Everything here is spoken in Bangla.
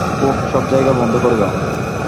ওহ, সব জায়গা বন্ধ করে দাও।